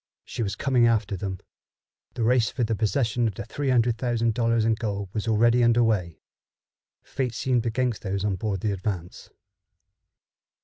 She was coming after them. The race for the possession of three hundred thousand dollars in gold was already under way. Fate seemed against those on board the Advance.